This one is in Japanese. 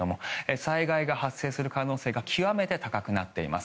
災害が発生する可能性が極めて高くなっています。